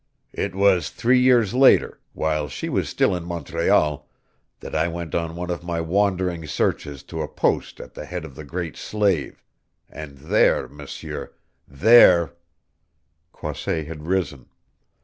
It was three years later while she was still in Montreal that I went on one of my wandering searches to a post at the head of the Great Slave, and there, M'seur there " Croisset had risen.